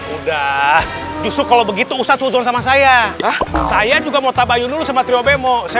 udah justru kalau begitu ustadz udun sama saya saya juga mau tabayun dulu sama triobemo saya